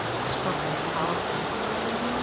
As cortes, a horta...